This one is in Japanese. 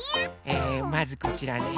えまずこちらね